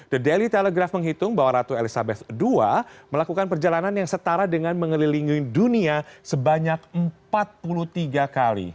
the daily telegraf menghitung bahwa ratu elizabeth ii melakukan perjalanan yang setara dengan mengelilingi dunia sebanyak empat puluh tiga kali